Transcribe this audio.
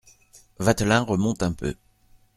Vatelin remonte un peu.